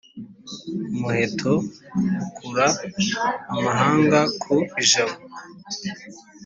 umuheto ukura amahanga ku ijabo,